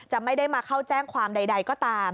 ไม่ได้มาเข้าแจ้งความใดก็ตาม